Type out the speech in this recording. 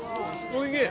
おいしい